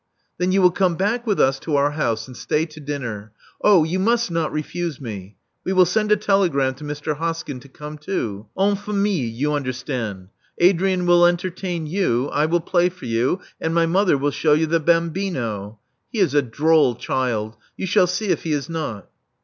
Then you will come back with us to our house, and stay to dinner. Oh, you must not refuse me. We will send a telegram to Mr. Hoskyn to come too. En famille, you understand. Adrian will entertain you; I will play for you; and my mother will shew you the bambino. He is a droll child — you shall see if he is not."